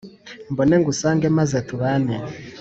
mbone ngusange maze tubane